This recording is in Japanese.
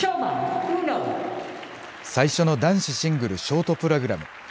最初の男子シングルショートプログラム。